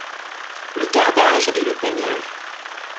Le cardage et le peignage.